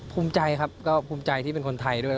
ภูมิใจครับก็ภูมิใจที่เป็นคนไทยด้วย